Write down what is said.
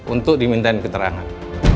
untuk diminta keterangan